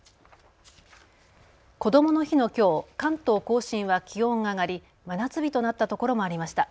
こどもの日のきょう、関東甲信は気温が上がり真夏日となった所もありました。